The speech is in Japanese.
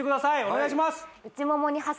お願いします！